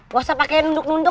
gak usah pakai nunduk nunduk